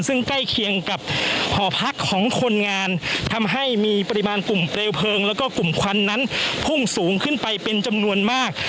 ซึ่งใกล้เคียงกับหอพักของคนงานทำให้มีปริมาณกลุ่มเปลวเพลิงแล้วก็กลุ่มควันนั้นพุ่งสูงขึ้นไปเป็นจำนวนมาก